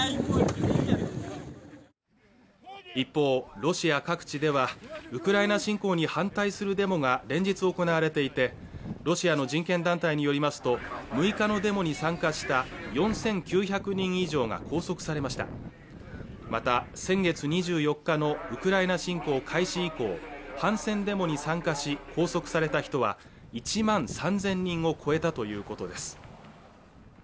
一方ロシア各地ではウクライナ侵攻に反対するデモが連日行われていてロシアの人権団体によりますと６日のデモに参加した４９００人以上が拘束されましたまた先月２４日のウクライナ侵攻開始以降反戦デモに参加し拘束された人は１万３０００人を超えたということです